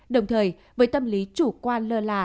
đồng thời với tâm lý chủ quan lơ là